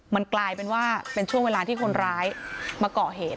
มันกลายเป็นว่าเป็นช่วงเวลาที่คนร้ายมาเกาะเหตุ